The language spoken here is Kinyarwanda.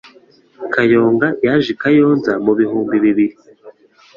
Kayonga yaje i Kayonza mubihumbi bibiri